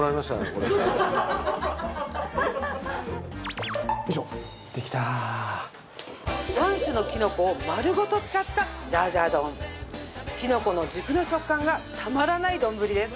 これよいしょできた３種のきのこを丸ごと使ったジャージャー丼きのこの軸の食感がたまらない丼です